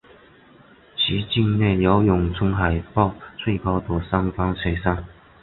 其境内有永春海报最高的山峰雪山。